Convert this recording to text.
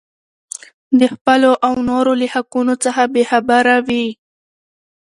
د خپلو او نورو له حقونو څخه بې خبره وي.